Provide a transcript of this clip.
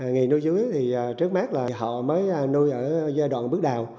người nuôi rúi trước mát là họ mới nuôi ở giai đoạn bước đào